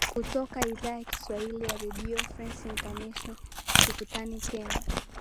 kutoka idhaa ya kiswahili ya redio france international tukutane tena